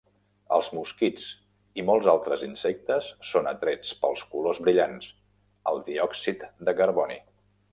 Els mosquits i molts altres insectes són atrets pels colors brillants, el diòxid de carboni.